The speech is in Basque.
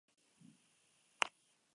Baina ikusleek ez dute erantzun.